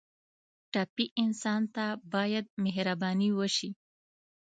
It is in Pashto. ټپي انسان ته باید مهرباني وشي.